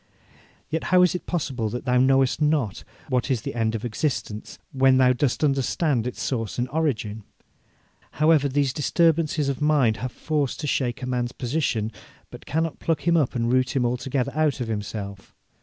'Yet how is it possible that thou knowest not what is the end of existence, when thou dost understand its source and origin? However, these disturbances of mind have force to shake a man's position, but cannot pluck him up and root him altogether out of himself.